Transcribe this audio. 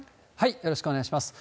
よろしくお願いします。